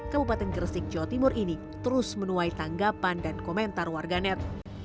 kabupaten gresik jawa timur ini terus menuai tanggapan dan komentar warganet